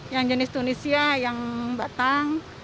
yang jenis tunisia yang batang